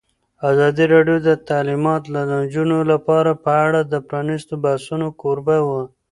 ازادي راډیو د تعلیمات د نجونو لپاره په اړه د پرانیستو بحثونو کوربه وه.